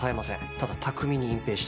ただ巧みに隠蔽していて。